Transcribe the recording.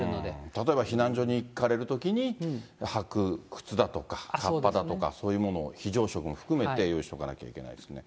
例えば避難所に行かれるときに履く靴だとか、かっぱだとか、そういうものを、非常食も含めて用意しておかなきゃいけないですね。